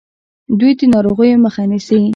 دوی د ناروغیو مخه نیسي.